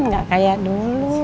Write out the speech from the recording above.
enggak kayak dulu